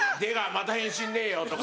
また返信ねえよ」とか。